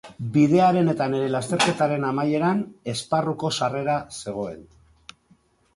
Bidearen eta nire lasterketaren amaieran, esparruko sarrera zegoen.